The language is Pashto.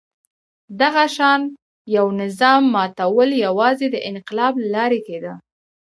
دغه شان یوه نظام ماتول یوازې د انقلاب له لارې کېده.